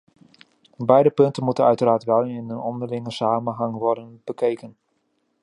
Beide punten moeten uiteraard wel in hun onderlinge samenhang worden bekeken.